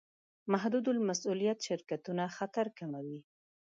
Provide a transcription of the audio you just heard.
محدودالمسوولیت شرکتونه خطر کموي.